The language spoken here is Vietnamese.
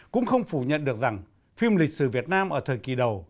cũng không phủ nhận được rằng phim lịch sử việt nam ở thời kỳ đầu